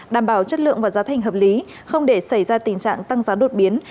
đảm bảo chất lượng và giá thành hợp lý không để xảy ra tình trạng tăng giá đột biến